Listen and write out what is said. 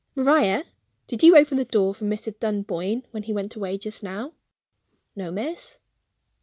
"Maria, did you open the door for Mr. Dunboyne when he went away just now?" "No, miss."